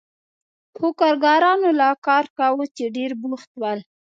خو کارګرانو لا کار کاوه چې ډېر بوخت ول.